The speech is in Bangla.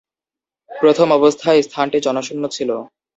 প্রথম অবস্থায় স্থানটি জনশূন্য ছিল।